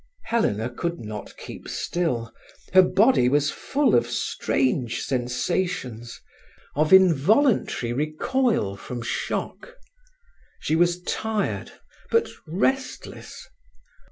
Helena could not keep still; her body was full of strange sensations, of involuntary recoil from shock. She was tired, but restless.